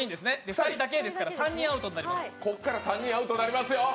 ２人だけですからここから３人アウトになりますよ。